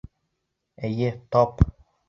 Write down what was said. Эйе, тап.